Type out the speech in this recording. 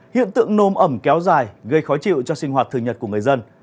hiện tượng nôm ẩm kéo dài gây khó chịu cho sinh hoạt thường nhật của người dân